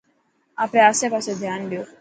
آپري آسي پاسي ڌيان ڏيو.